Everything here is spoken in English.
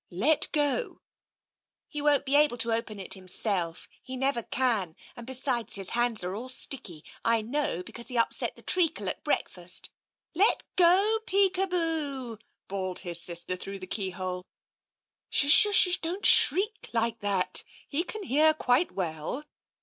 Let go." " He won't be able to open it himself, he never can — and besides, his hands are all sticky, I know, be cause he upset the treacle at breakfast. Let go, Peekaboo !" bawled his sister through the keyhole. " H'sh — sh. Don't shriek like that, he can hear quite well."